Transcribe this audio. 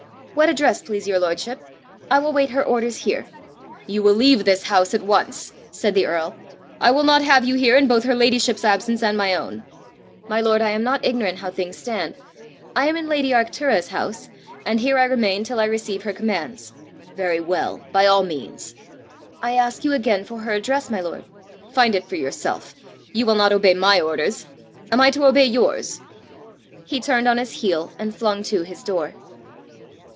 "What address, please your lordship? I will wait her orders here." "You will leave this house at once," said the earl. "I will not have you here in both her ladyship's absence and my own." "My lord, I am not ignorant how things stand: I am in lady Arctura's house; and here I remain till I receive her commands." "Very well! By all means!" "I ask you again for her address, my lord." "Find it for yourself. You will not obey my orders: am I to obey yours?" He turned on his heel, and flung to his door.